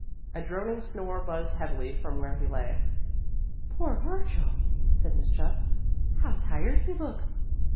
A droning snore buzzed heavily from where he lay. "Poor Virgil!" said Miss Chuff. "How tired he looks."